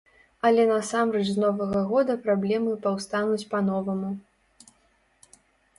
Але насамрэч з новага года праблемы паўстануць па-новаму.